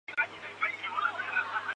上伯萨是德国图林根州的一个市镇。